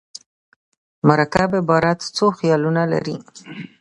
مرکب عبارت څو خیالونه لري.